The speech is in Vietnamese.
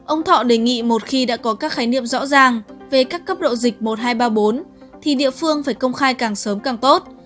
ông thọ đề nghị một khi đã có các khái niệm rõ ràng về các cấp độ dịch một nghìn hai trăm ba mươi bốn thì địa phương phải công khai càng sớm càng tốt